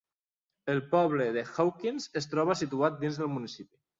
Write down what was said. El poble de Hawkins es troba situat dins del municipi.